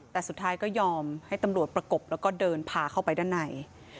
แต่สุดท้ายก็ยอมให้ตำรวจประกบแล้วก็เดินพาเข้าไปด้านใน